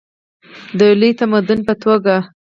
د یو لوی تمدن په توګه.